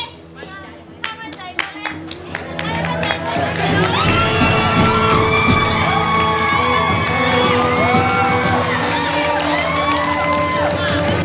ให้กำลังใจเขา